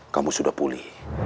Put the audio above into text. kamu sudah pulih